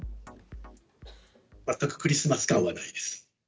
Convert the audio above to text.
全くクリスマス感はないです。